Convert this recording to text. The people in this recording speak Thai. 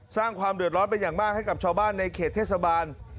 สร้างความเดือดร้อนเป็นอย่างมากให้กับชาวบ้านในเขตเทศบาล